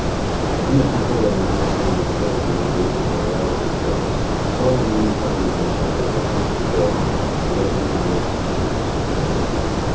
In the chapel, where the marriage of Henri IV. and Marguerite de Valois took place, the sole remaining fragment of the chateau of the counts of Blois, a regiment now makes it shoes.